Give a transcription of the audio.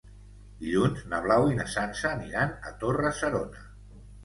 Dilluns na Blau i na Sança aniran a Torre-serona.